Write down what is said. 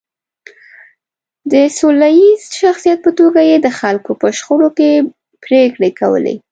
د سوله ییز شخصیت په توګه یې د خلکو په شخړو کې پرېکړې کولې.